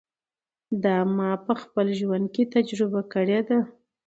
دا ما په خپل ژوند کې تجربه کړې ده.